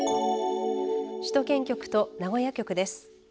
首都圏局と名古屋局です。